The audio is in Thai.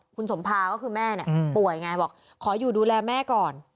คุณสมภาก็คือแม่เนี่ยป่วยไงบอกขออยู่ดูแลแม่ก่อน